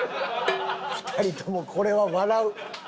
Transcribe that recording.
２人ともこれは笑う。